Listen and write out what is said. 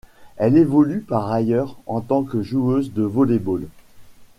Elle évolue par ailleurs en tant que joueuse de volley-ball.